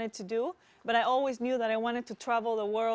tapi saya selalu tahu bahwa saya ingin melancong dunia